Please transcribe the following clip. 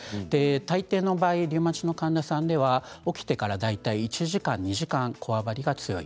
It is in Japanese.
大抵の場合、リウマチの患者さんでは起きてから大体１時間、２時間こわばりが強い。